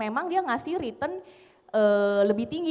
mungkin lebih tinggi